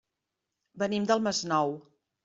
Venim del Masnou.